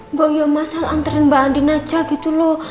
mbak uya mas al anterin mbak andin aja gitu loh